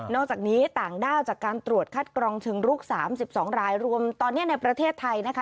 จากนี้ต่างด้าวจากการตรวจคัดกรองเชิงรุก๓๒รายรวมตอนนี้ในประเทศไทยนะคะ